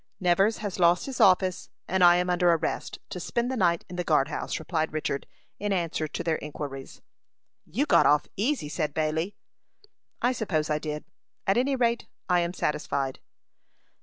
"Nevers has lost his office, and I am under arrest, to spend the night in the guard house," replied Richard, in answer to their inquiries. "You got off easy," said Bailey. "I suppose I did; at any rate, I am satisfied."